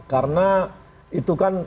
karena itu kan